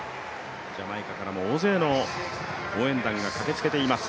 ジャマイカからも大勢の応援団が駆けつけています。